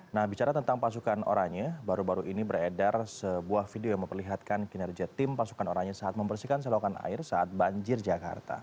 nah bicara tentang pasukan oranye baru baru ini beredar sebuah video yang memperlihatkan kinerja tim pasukan oranye saat membersihkan selokan air saat banjir jakarta